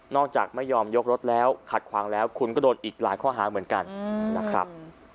จากไม่ยอมยกรถแล้วขัดขวางแล้วคุณก็โดนอีกหลายข้อหาเหมือนกันนะครับ